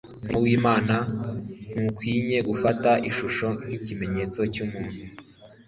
Umurimo w'Imana ntukwinye gufata ishusho n'ikimenyetso cy'umuntu.